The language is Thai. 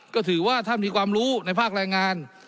ก็ถือว่าท่านมีความรู้ในภาคแรงงาน